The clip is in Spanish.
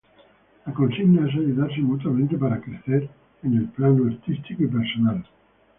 La consigna es ayudarse mutuamente para crecer en el plano artístico y personal.